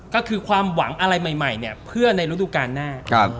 ก็คือความหวังอะไรใหม่เนี่ยเพื่อในฤดูการหน้า